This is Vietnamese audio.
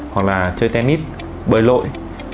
hoặc là chơi tennis bơi lội